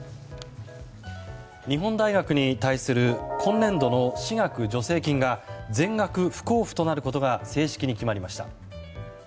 日本大学に対する今年度の私学助成金が全額不交付となることが正式に決まりました。